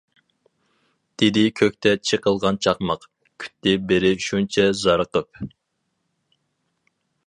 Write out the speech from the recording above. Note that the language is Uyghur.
دېدى كۆكتە چېقىلغان چاقماق، كۈتتى بىرى شۇنچە زارىقىپ.